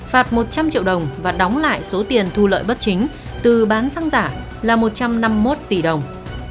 phạt một trăm linh triệu đồng và đóng lại số tiền thu lợi bất chính từ bán xăng giả là một trăm năm mươi một tỷ đồng